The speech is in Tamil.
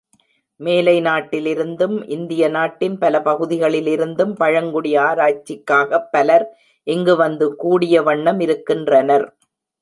மேலை நாட்டிலிருந்தும், இந்திய நாட்டின் பல பகுதிகளிலிருந்தும், பழங்குடி ஆராய்ச்சி க்காகப் பலர் இங்கு வந்து கூடிய வண்ணமிருக்கின்றனர்.